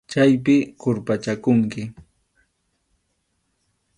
Chaypi qurpachakunki.